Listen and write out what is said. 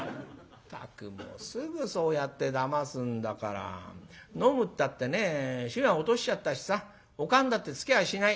「ったくもうすぐそうやってだますんだから。飲むったってね火は落としちゃったしさお燗だってつけやしない」。